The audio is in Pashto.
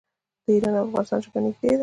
د ایران او افغانستان ژبه نږدې ده.